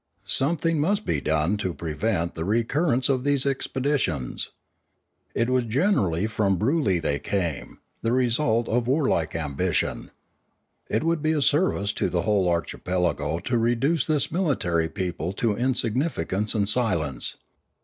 Something must be done to Another Threat 501 prevent the recurrence of these expeditions. It was generally from Broolyi they came, the result of war like ambition. It would be a service to the whole archipelago to reduce this military people to insignifi cance and silence.